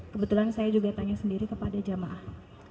kebetulan saya juga tanya sendiri kepada jamaah